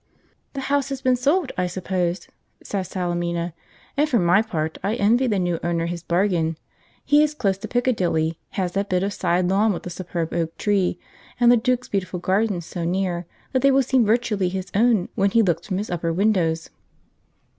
"The house has been sold, I suppose," said Salemina; "and for my part I envy the new owner his bargain. He is close to Piccadilly, has that bit of side lawn with the superb oak tree, and the duke's beautiful gardens so near that they will seem virtually his own when he looks from his upper windows."